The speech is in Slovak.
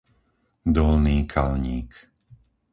Dolný Kalník